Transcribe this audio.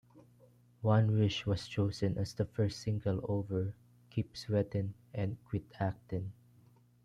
"One Wish" was chosen as the first single over "Keep Sweatin" and "Quit Actin.